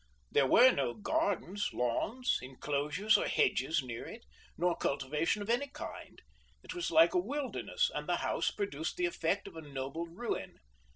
There were no gardens, lawns, inclosures or hedges near it, nor cultivation of any kind. It was like a wilderness, and the house produced the effect of a noble ruin.